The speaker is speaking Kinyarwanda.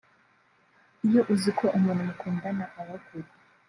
Iyo uziko umuntu mukundana aba kure